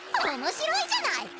おもしろいじゃない。